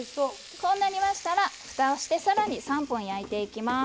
こうなりましたらふたをしてさらに３分焼いていきます。